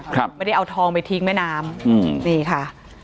ครับไม่ได้เอาทองไปทิ้งแม่น้ำอืมนี่ค่ะ